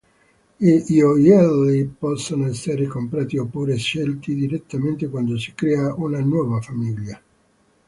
I gioielli possono essere comprati oppure scelti direttamente quando si crea una nuova famiglia.